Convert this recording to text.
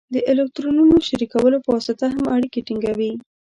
د الکترونونو شریکولو په واسطه هم اړیکې ټینګوي.